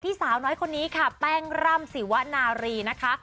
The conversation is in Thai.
สาวน้อยคนนี้ค่ะแป้งร่ำสีวนารีนะคะ